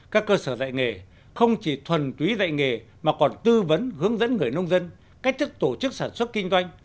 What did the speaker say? các cơ sở dạy nghề không chỉ thuần túy dạy nghề mà còn tư vấn hướng dẫn người nông dân cách thức tổ chức sản xuất kinh doanh